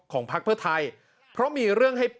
ของภักดิ์เพื่อไทยเพราะมีเรื่องให้